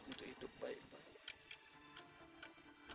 untuk hidup baik baik